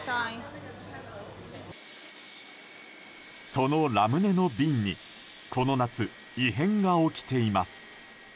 そのラムネの瓶にこの夏、異変が起きています。